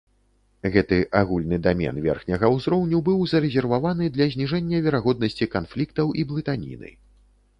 Гэты агульны дамен верхняга ўзроўню быў зарэзерваваны для зніжэння верагоднасці канфліктаў і блытаніны.